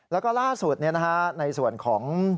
แล้วก็ล่าสุดในส่วนของ